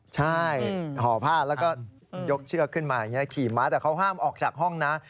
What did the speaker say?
ใช่ห่อผ้าแล้วก็ยกเชือกขึ้นมาอย่างนี้ขี่ม้าแต่เขาห้ามออกจากห้องนะ